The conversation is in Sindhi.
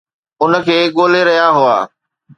ان کي ڳولي رهيا هئا